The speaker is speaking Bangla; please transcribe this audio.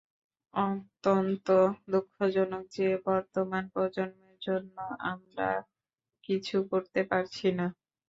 অত্যন্ত দুঃখজনক যে, বর্তমান প্রজন্মের জন্য আমরা কিছু করতে পারছি না।